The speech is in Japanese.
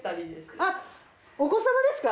あっお子様ですか？